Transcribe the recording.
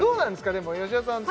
でも吉田さん